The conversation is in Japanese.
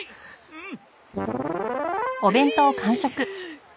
うん？